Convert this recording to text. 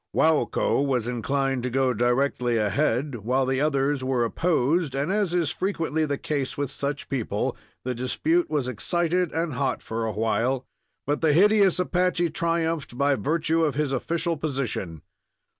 Waukko was inclined to go directly ahead, while the others were opposed, and, as is frequently the case with such people, the dispute was excited and hot for awhile; but the hideous Apache triumphed by virtue of his official position.